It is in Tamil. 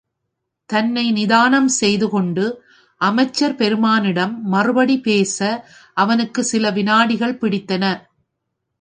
தன்னை நிதானம் செய்து கொண்டு அமைச்சர் பெருமானிடம் மறுபடி பேச அவனுக்குச் சில விநாடிகள் பிடித்தன.